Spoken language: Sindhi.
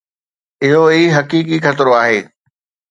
اهو ئي حقيقي خطرو آهي.